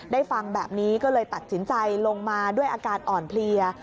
ฟังแบบนี้ก็เลยตัดสินใจลงมาด้วยอาการอ่อนเพลีย